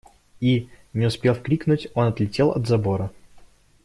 И, не успев крикнуть, он отлетел от забора.